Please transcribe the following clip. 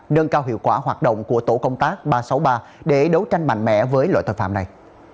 nâng cao hiệu quả hoạt động của tổ công tác ba trăm sáu mươi ba để đấu tranh mạnh mẽ với loại tội phạm này